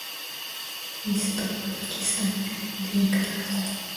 List of Pakistani film directors